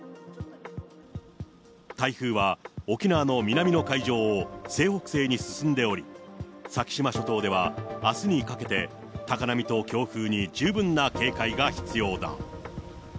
台風は沖縄の南の海上を西北西に進んでおり、先島諸島ではあすにかけて、高波と強風に十分な警戒が必要だ。